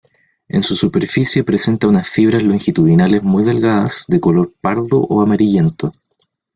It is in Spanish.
En su superficie presenta unas fibras longitudinales muy delgadas, de color pardo o amarillento.